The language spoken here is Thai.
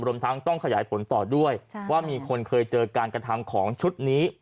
รวมทั้งต้องขยายผลต่อด้วยว่ามีคนเคยเจอการกระทำของชุดนี้